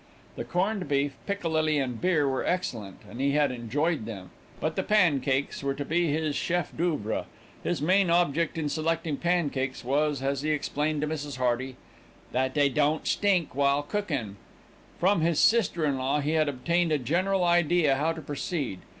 The corned beef, piccalilli and beer were excellent and he had enjoyed them; but the pancakes were to be his chef d'oeuvre. His main object in selecting pancakes was, as he explained to Mrs. Hearty, "that they don't stink while cookin'." From his sister in law he had obtained a general idea of how to proceed.